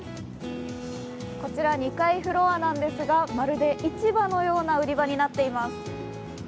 こちら、２階フロアなんですがまるで市場のような売り場になっています。